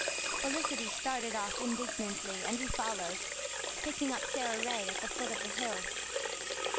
Felicity started off indignantly, and we followed, picking up Sara Ray at the foot of the hill.